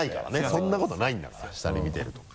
そんなことないんだから下に見てるとか。